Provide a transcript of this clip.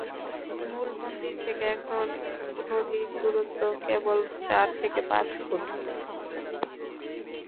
মূল মন্দির থেকে এখন নদীর দূরত্ব কেবল চার থেকে পাঁচ ফুট।